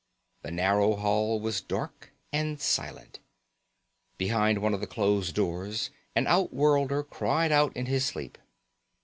The narrow hall was dark and silent. Behind one of the closed doors an outworlder cried out in his sleep.